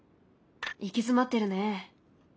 行き詰まってるね。